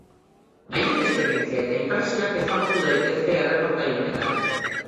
Haien esperientzia eta inpresioak ezagutu daitezke erreportai honetan.